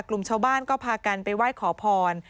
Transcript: กลุ่มชาวบ้านก็พากันไปไหว้ขอพร